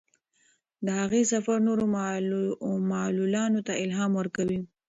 د هغې سفر نورو معلولانو ته الهام ورکوي.